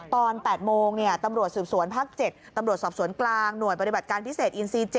ตอน๘โมงตำรวจสืบสวนภาค๗ตำรวจสอบสวนกลางหน่วยปฏิบัติการพิเศษอินซี๗